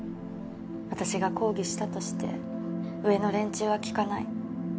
私が抗議したとして上の連中は聞かない。